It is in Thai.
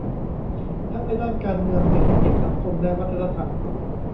ทั้งในด้านการเมืองเศรษฐกิจ สังคม และวัฒนธรรม